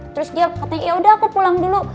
terus dia katanya ya udah aku pulang dulu